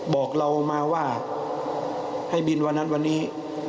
บอกเรามาว่าให้บินวันนั้นวันนี้